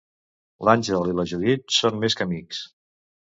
L'Àngel i la Judit són més que amics.